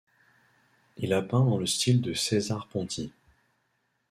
Il a peint dans le style de Cesare Pronti.